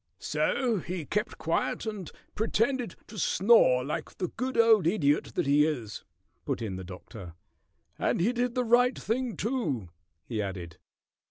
"So he kept quiet and pretended to snore like the good old Idiot that he is," put in the Doctor. "And he did the right thing, too," he added.